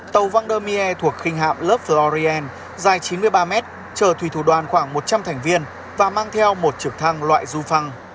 tàu vendémier thuộc khinh hạm lớp florian dài chín mươi ba mét chờ thuy tử đoàn khoảng một trăm linh thành viên và mang theo một trực thăng loại du phăng